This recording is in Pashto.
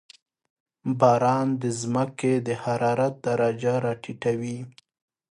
• باران د زمکې د حرارت درجه راټیټوي.